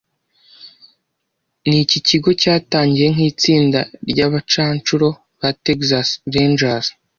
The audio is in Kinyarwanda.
Niki kigo cyatangiye nk'itsinda ry'abacanshuro ba Texas Rangers